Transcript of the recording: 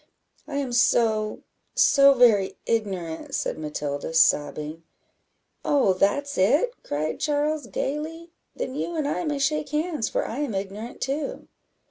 "I am so so very ignorant," said Matilda, sobbing. "Oh, that's it!" cried Charles, gaily; "then you and I may shake hands, for I am ignorant too."